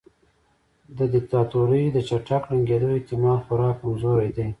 د دیکتاتورۍ د چټک ړنګیدو احتمال خورا کمزوری دی.